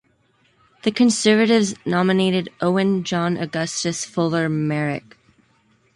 The Conservatives nominated Owen John Augustus Fuller Meyrick.